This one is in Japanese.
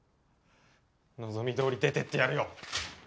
望みどおり出ていってやるよ。